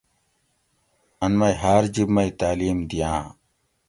ان مئ ہاۤر جِب مئ تعلیم دِیاۤں